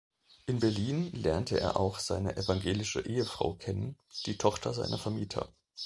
In Berlin lernte er auch seine evangelische Ehefrau kennen, die Tochter seiner Vermieter.